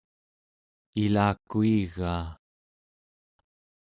ilakuigaa